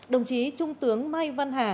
đồng chí trung tướng mai văn hà